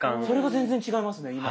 それが全然違いますね。